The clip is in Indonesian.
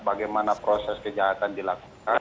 bagaimana proses kejahatan dilakukan